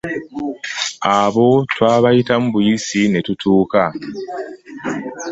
Abo twabayitamu buyisi ne tutuuka eka.